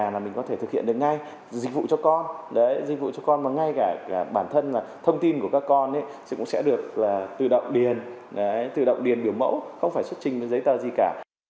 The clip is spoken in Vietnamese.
ở nhà là mình có thể thực hiện được ngay dịch vụ cho con dịch vụ cho con và ngay cả bản thân thông tin của các con cũng sẽ được tự động điền biểu mẫu không phải xuất trình với giấy tờ gì cả